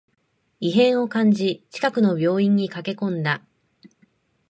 異変を感じ、近くの病院に駆けこんだ